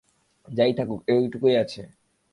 যাই থাকুক, এটুকুই আছে।